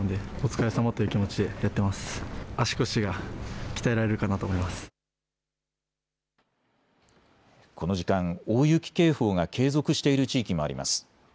この時間、大雪警報が継続している地域もあります。